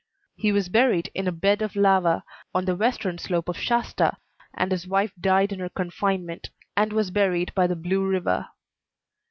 He was buried in a bed of lava on the western slope of Shasta, and his wife died in her confinement, and was buried by the Blue River.